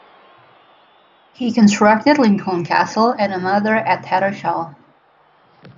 He constructed Lincoln Castle and another at Tattershall.